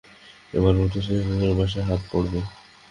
এবার বোধ হচ্ছে এখানকার বাসায় হাত পড়বে।